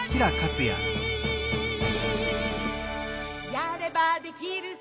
「やればできるさ